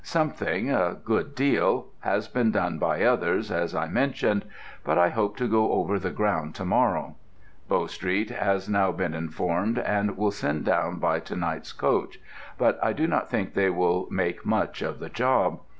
Something a good deal has been done by others, as I mentioned; but I hope to go over the ground to morrow. Bow Street has now been informed, and will send down by to night's coach, but I do not think they will make much of the job.